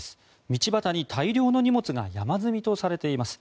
道端に大量の荷物が山積みとされています。